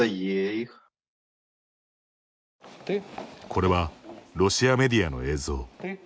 これは、ロシアメディアの映像。